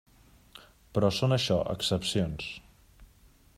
Però són això: excepcions.